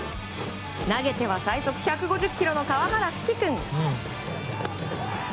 投げては、最速１５０キロの川原嗣貴君。